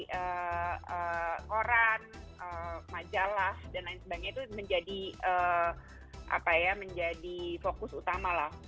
dari koran majalah dan lain sebagainya itu menjadi fokus utama lah